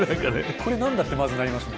これ何だ？ってまずなりますもんね。